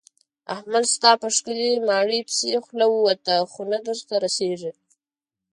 احمد ستا په ښکلې ماڼۍ پسې خوله ووته خو نه درته رسېږي.